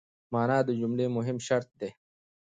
مانا د جملې مهم شرط دئ.